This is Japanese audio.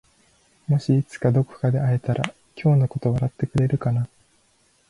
もしいつかどこかで会えたら今日のことを笑ってくれるかな？